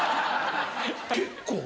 結構。